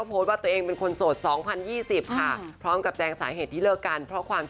บอกว่าเป็นวันศุกรสันแห่งการเลิกลาค่ะ